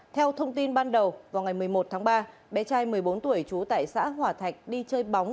theo thông tin ban đầu vào ngày một mươi một tháng ba bé trai một mươi bốn tuổi trú tại xã hòa thạch đi chơi bóng